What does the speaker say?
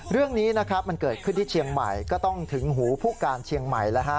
เรื่องนี้เกิดขึ้นที่เชียงใหม่ก็ต้องถึงหูผู้การเชียงใหม่